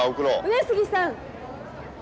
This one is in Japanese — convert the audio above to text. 上杉さん！